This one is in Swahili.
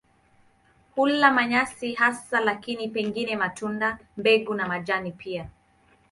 Hula manyasi hasa lakini pengine matunda, mbegu na majani pia.